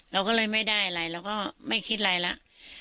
เราก็เลยไม่ได้อะไรเราก็ไม่คิดอะไรแล้ว